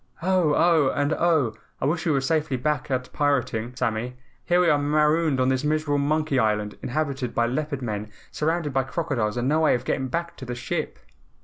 "Oh! Oh! and OH! I wish we were safely back at pirating, Sammy. Here we are marooned on this miserable monkey island, inhabited by Leopard Men, surrounded by crocodiles and no way of getting back to the ship."